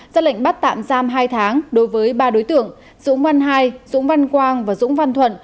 ra lệnh bắt tạm giam hai tháng đối với ba đối tượng dũng văn hai dũng văn quang và dũng văn thuận